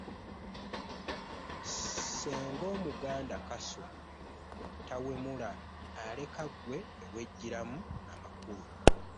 Ssenga Omuganda kaswa, tawemula aleka ggwe ne weggyiramu amakulu.